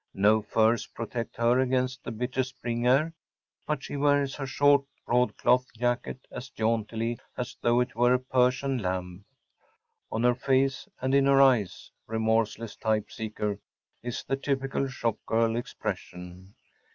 No furs protect her against the bitter spring air, but she wears her short broadcloth jacket as jauntily as though it were Persian lamb! On her face and in her eyes, remorseless type seeker, is the typical shop girl expression.